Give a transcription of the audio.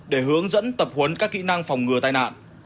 để hướng dẫn tập huấn các kỹ năng phòng ngừa tai nạn